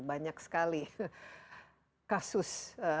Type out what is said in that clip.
banyak sekali kasus